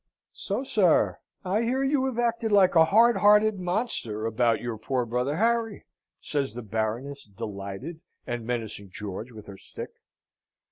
"So, sir, I hear you have acted like a hard hearted monster about your poor brother Harry!" says the Baroness, delighted, and menacing George with her stick.